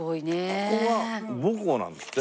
ここが母校なんですって？